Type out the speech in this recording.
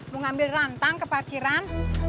mau ngambil rantang ke parkiran